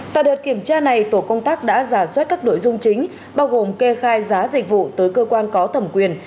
tại đợt kiểm tra này tổ công tác đã giả soát các nội dung chính bao gồm kê khai giá dịch vụ tới cơ quan có thẩm quyền